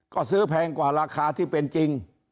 ก็ซื้อแพงกว่าราคาที่เป็นจริง